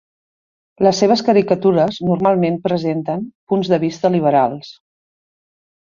Les seves caricatures normalment presenten punts de vista liberals.